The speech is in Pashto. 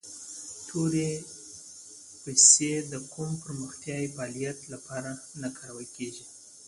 تورې پیسي د کوم پرمختیایي فعالیت لپاره نه کارول کیږي.